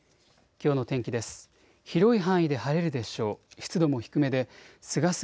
きょうの天気です。